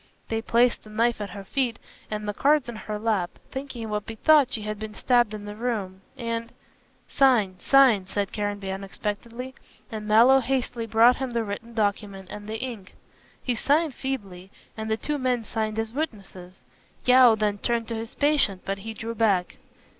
They placed the knife at her feet and the cards in her lap, thinking it would be thought she had been stabbed in the room, and " "Sign, sign!" said Caranby, unexpectedly, and Mallow hastily brought him the written document and the ink. He signed feebly, and the two men signed as witnesses. Yeo then turned to his patient, but he drew back.